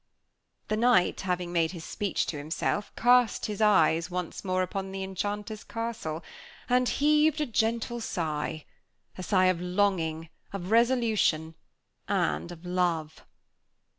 The knight having made his speech to himself, cast his eyes once more upon the enchanter's castle, and heaved a gentle sigh a sigh of longing, of resolution, and of love.